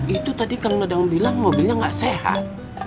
itu tadi karena ada yang bilang mobilnya nggak sehat